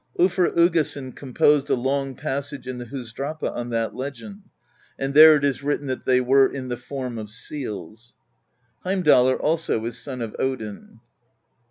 tJlfr Uggason com posed a long passage in the Husdrapa on that legend, and there it is written that they were in the form of seals. Heimdallr also is son of Odin.